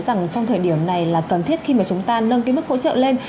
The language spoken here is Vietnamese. rằng trong thời điểm này là cần thiết khi mà chúng ta nâng cái mức hỗ trợ lên